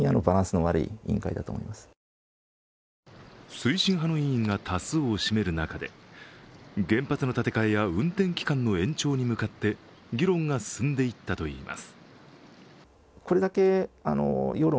推進派の委員が多数を占める中で原発の建て替えや運転期間の延長に向かって議論が進んでいったといいます。